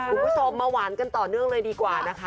คุณผู้ชมมาหวานกันต่อเนื่องเลยดีกว่านะคะ